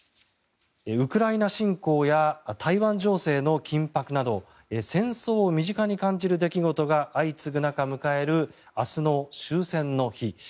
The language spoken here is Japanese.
ウクライナ侵攻や台湾情勢の緊迫など戦争を身近に感じる出来事が相次ぐ中、迎える明日の終戦の日。